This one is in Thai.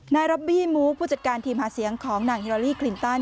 รอบบี้มูกผู้จัดการทีมหาเสียงของนางฮิลาลีคลินตัน